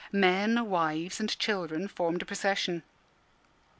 Men, wives, and children formed a procession.